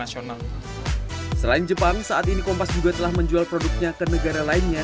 selain jepang saat ini kompas juga telah menjual produknya ke negara lainnya